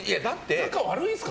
仲悪いんですか。